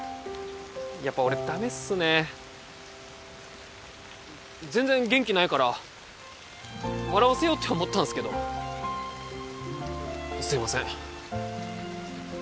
あやっぱ俺ダメっすね全然元気ないから笑わせようって思ったんすけどすいません